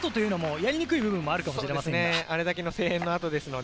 やりにくい部分もあるかと思います。